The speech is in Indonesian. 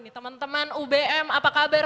nih teman teman ubm apa kabar